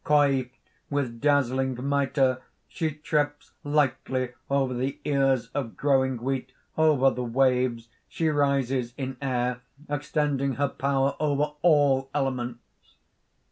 Coiffed with dazzling mitre, she trips lightly over the ears of growing wheat, over the waves; she rises in air, extending her power over all elements.